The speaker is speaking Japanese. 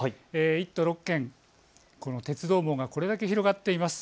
１都６県、鉄道網がこれだけ広がっています。